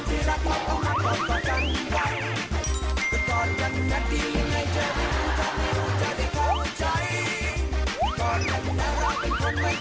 เออดูไปก็น่ารักเหมือนกันนะ